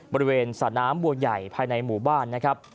บริเวณสระน้ำบัวใหญ่ภายในหมู่บ้านนะครับ